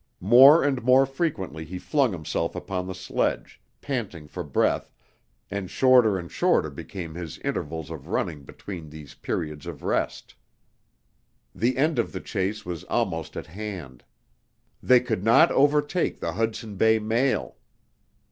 More and more frequently he flung himself upon the sledge, panting for breath, and shorter and shorter became his intervals of running between these periods of rest. The end of the chase was almost at hand. They could not overtake the Hudson Bay mail!